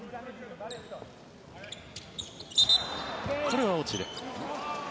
これは落ちる。